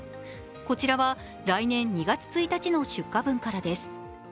こちらは来年２月１日の出荷分からです。